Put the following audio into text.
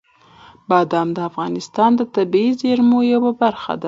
بادام د افغانستان د طبیعي زیرمو یوه برخه ده.